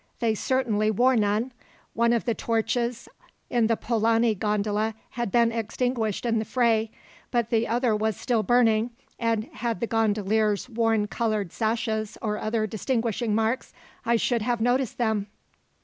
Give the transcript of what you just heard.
"They certainly wore none. One of the torches in the Polani gondola had been extinguished in the fray, but the other was still burning, and, had the gondoliers worn coloured sashes or other distinguishing marks, I should have noticed them."